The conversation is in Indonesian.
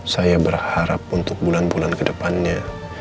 saya berharap untuk bulan bulan kedepannya